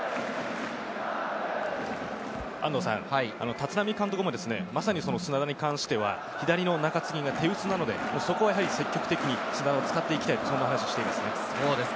立浪監督もまさに砂田に関しては左の中継ぎが手薄なので、そこはやはり積極的に砂田を使っていきたい、そんな話をしています。